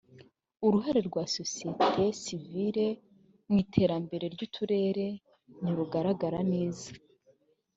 uruhare rwa sosiyete sivire mu iterambere ry’uturere ntirugaragara neza